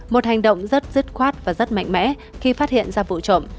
một hành động rất dứt khoát và rất mạnh mẽ khi phát hiện ra vụ trộm